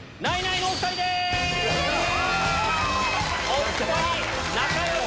お２人仲良し！